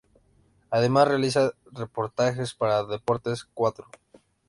Además realiza reportajes para Deportes Cuatro.